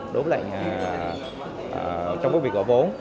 đối với việc gọi vốn